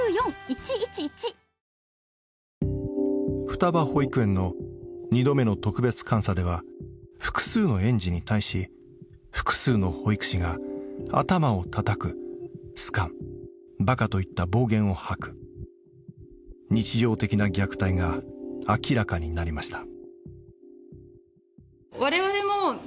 双葉保育園の２度目の特別監査では複数の園児に対し複数の保育士が頭をたたく「好かん」「ばか」といった暴言を吐く日常的な虐待が明らかになりました。